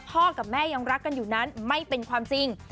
กับแม่ยังรักกันอยู่นั้นไม่เป็นความจริง